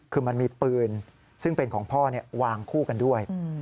คือมันมีปืนซึ่งเป็นของพ่อวางคู่กันด้วย